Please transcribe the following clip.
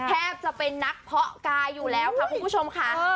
แทบจะเป็นนักเพาะกายอยู่แล้วค่ะคุณผู้ชมค่ะ